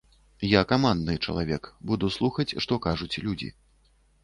Я камандны чалавек, буду слухаць, што кажуць людзі.